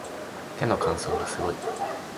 手の乾燥がすごい